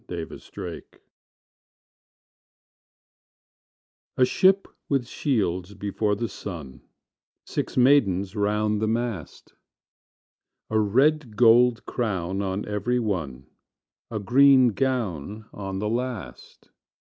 Y Z Near Avalon A SHIP with shields before the sun, Six maidens round the mast, A red gold crown on every one, A green gown on the last.